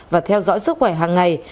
và theo dõi sức khỏe hàng ngày